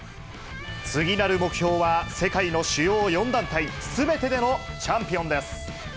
次なる目標は、世界の主要４団体、すべてでのチャンピオンです。